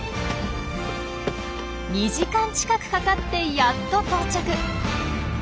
２時間近くかかってやっと到着！